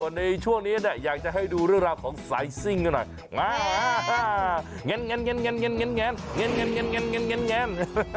วันนี้ช่วงนี้เนี่ยอยากจะให้ดูเรื่องรามของซัยซิ่งด้วยหน่อย